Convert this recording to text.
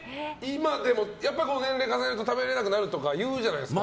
やっぱり年齢重ねると食べれなくなるとかいうじゃないですか。